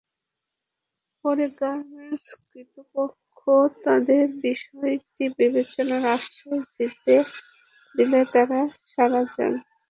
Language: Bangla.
পরে গার্মেন্টস কর্তৃপক্ষ তাঁদের বিষয়টি বিবেচনার আশ্বাস দিলে তাঁরা সরে যান।